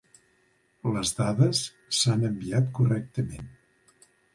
Les dades s'han enviat correctament.